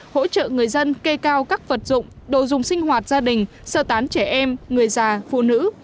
hỗ trợ người dân kê cao các vật dụng đồ dùng sinh hoạt gia đình sơ tán trẻ em người già phụ nữ